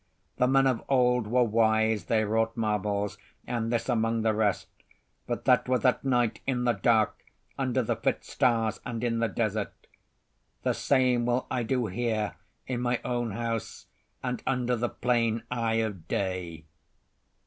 The men of old were wise; they wrought marvels, and this among the rest; but that was at night, in the dark, under the fit stars and in the desert. The same will I do here in my own house and under the plain eye of day."